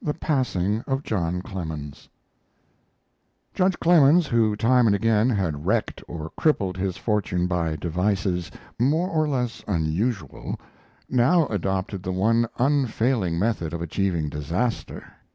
THE PASSING OF JOHN CLEMENS Judge Clemens, who time and again had wrecked or crippled his fortune by devices more or less unusual, now adopted the one unfailing method of achieving disaster.